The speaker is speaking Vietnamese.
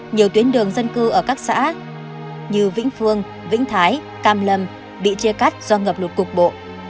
nhiều tuyến đường dân cư ở các xã như vĩnh phương vĩnh thái cam lâm bị chia cắt do ngập lụt cục bộ